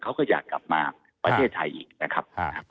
เขาก็อยากกลับมาประเทศไทยอีกนะครับ